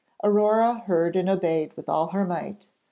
Aurore heard and obeyed with all her might.